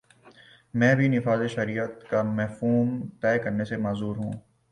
میں بھی نفاذ شریعت کا مفہوم طے کرنے سے معذور ہوں۔